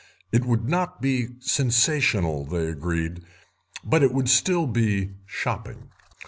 It would not be sensational, they agreed, but it would still be shopping.